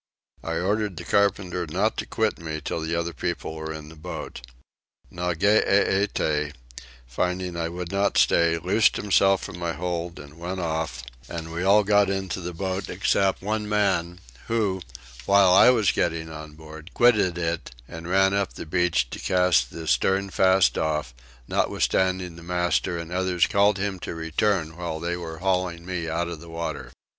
I ordered the carpenter not to quit me till the other people were in the boat. Nageete, finding I would not stay, loosed himself from my hold and went off, and we all got into the boat except one man who, while I was getting on board, quitted it and ran up the beach to cast the stern fast off, notwithstanding the master and others called to him to return while they were hauling me out of the water.